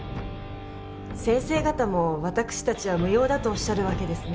先生方も私達は無用だとおっしゃるわけですね